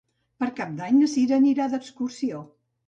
Per Cap d'Any na Cira anirà d'excursió.